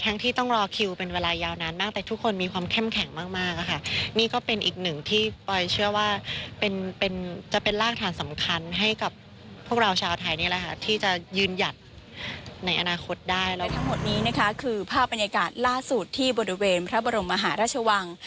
นี่คือภาพบรรยากาศล่าสุดที่บริเวณพระบรมมหาราชวัง